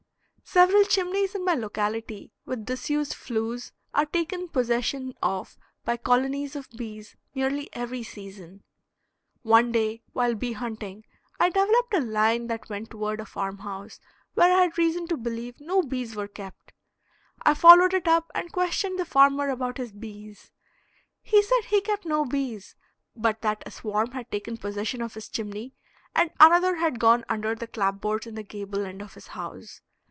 Several chimneys in my locality with disused flues are taken possession of by colonies of bees nearly every season. One day, while bee hunting, I developed a line that went toward a farm house where I had reason to believe no bees were kept. I followed it up and questioned the farmer about his bees. He said he kept no bees, but that a swarm had taken possession of his chimney, and another had gone under the clapboards in the gable end of his house.